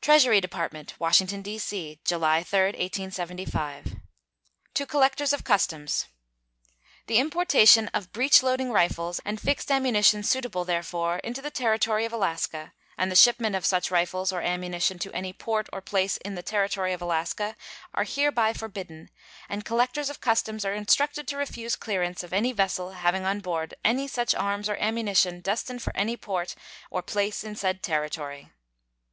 [Footnote 96: Addressed to the heads of the Executive Departments, etc,] TREASURY DEPARTMENT, Washington, D.C., July 3, 1875. To Collectors of Customs: The importation of breech loading rifles, and fixed ammunition suitable therefor, into the Territory of Alaska, and the shipment of such rifles or ammunition to any port or place in the Territory of Alaska, are hereby forbidden, and collectors of customs are instructed to refuse clearance of any vessel having on board any such arms or ammunition destined for any port or place in said Territory.